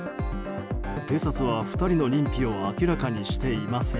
警察は２人の認否を明らかにしていません。